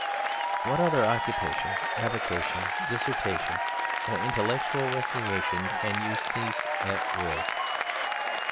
What other occupation, avocation, dissertation, or intellectual recreation can you cease at will?